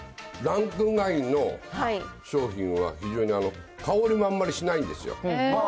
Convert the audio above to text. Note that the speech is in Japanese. ランク外の商品は、非常に香りもあんまりしないんですよ。